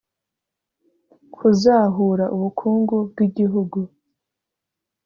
Kuzahura ubukungu bw igihugu